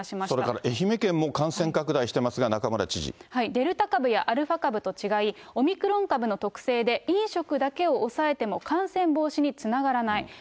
それから愛媛県も感染拡大してますが、デルタ株やアルファ株と違い、オミクロン株の特性で飲食だけを抑えても感染防止につながらない。